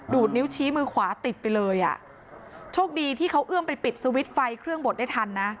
นิ้วชี้มือขวาติดไปเลยอ่ะโชคดีที่เขาเอื้อมไปปิดสวิตช์ไฟเครื่องบดได้ทันนะ